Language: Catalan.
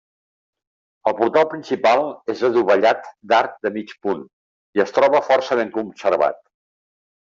El portal principal és adovellat d'arc de mig punt i es troba força ben conservat.